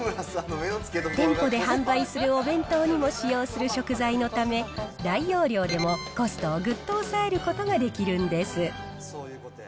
店舗で販売するお弁当にも使用する食材のため、大容量でもコストをぐっと抑えることができるんです。